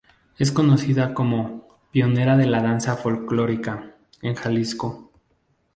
Es conocida como "Pionera de la danza Folclórica" en Jalisco.